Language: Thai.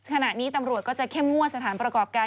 ขณะนี้ตำรวจก็จะเข้มงวดสถานประกอบการ